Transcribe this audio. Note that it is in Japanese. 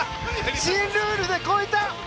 新ルールで超えた！